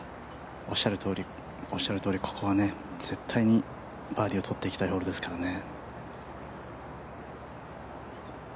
おっしゃるとおりここは絶対にバーディーを取っていきたいホールですからね。